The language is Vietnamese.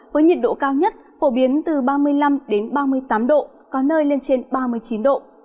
với nhiệt độ cao nhất phổ biến từ ba mươi năm ba mươi tám độ có nơi lên trên ba mươi chín độ